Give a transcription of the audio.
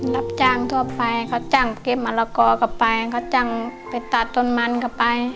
รับจ้างทั่วไปเขาจ้างเก็บมะละกอกลับไปเขาจ้างไปตัดต้นมันก็ไป